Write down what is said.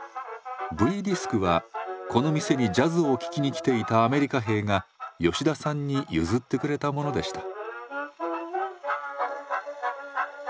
Ｖディスクはこの店にジャズを聴きに来ていたアメリカ兵が吉田さんに譲ってくれたものでした。